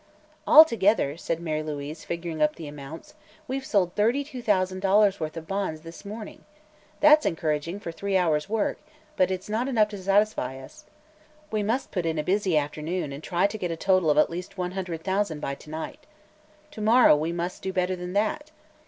"Altogether," said Mary Louise, figuring up the amounts, "we've sold thirty two thousand dollars' worth of bonds this morning. That's encouraging for three hours' work, but it's not enough to satisfy us. We must put in a busy afternoon and try to get a total of at least one hundred thousand by to night. To morrow we must do better than that.